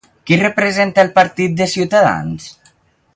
Qui representa el partit de Ciutadans?